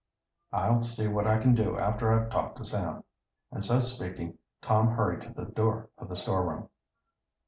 "I'll see what I can do after I've talked to Sam." And so speaking Tom hurried to the door of the storeroom.